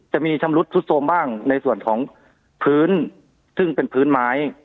จะมีชำรุดซุดโทรมบ้างในส่วนของพื้นซึ่งเป็นพื้นไม้